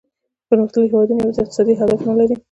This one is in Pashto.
پرمختللي هیوادونه یوازې اقتصادي اهداف نه لري